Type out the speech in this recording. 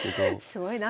すごいな。